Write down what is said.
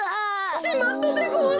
しまったでごわす！